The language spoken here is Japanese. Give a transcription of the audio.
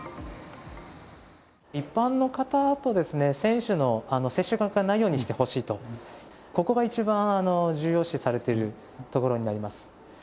一般の方と選手の接触がないようにしてほしいと、ここが一番重要視されているところになります。